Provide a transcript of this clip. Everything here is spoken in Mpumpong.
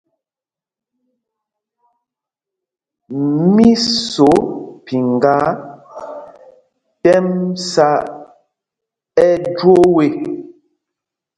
Mí sǒ phiŋgā tɛ́m sá ɛjwōō ê.